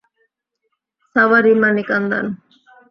সাবারি, মানিকান্দান।